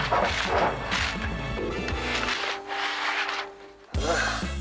tahan di sini